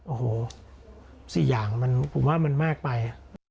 โอ้โห๔อย่างผมว่ามันมากไป